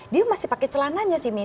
dia masih pakai celananya sih